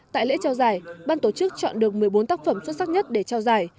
tại lễ trao giải ban tổ chức chọn được một mươi bốn tác phẩm xuất sắc nhất để trao giải